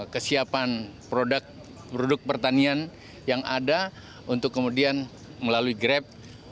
kesiapan produk pertanian yang ada untuk kemudian melalui grab